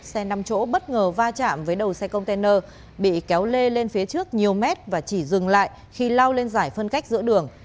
xe năm chỗ bất ngờ va chạm với đầu xe container bị kéo lê lên phía trước nhiều mét và chỉ dừng lại khi lao lên giải phân cách giữa đường